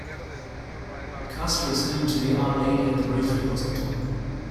Castor is home to the Our Lady of the Rosary Hospital.